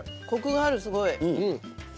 こくがある、すごい。